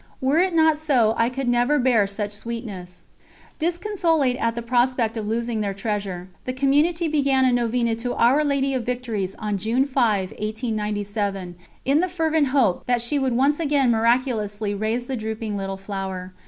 Were it not so I could never bear such sweetness." ....... Disconsolate at the prospect of losing their treasure, the Community began a novena to Our Lady of Victories on June 5, 1897, in the fervent hope that she would once again miraculously raise the drooping Little Flower.